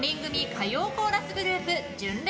歌謡コーラスグループ、純烈。